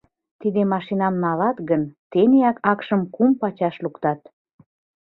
Тиде машиным налат гын, тенияк акшым кум пачаш луктат.